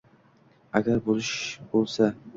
agar bo’sh bo’lsa